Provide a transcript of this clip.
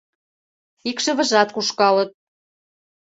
Икшывыжат кушкалыт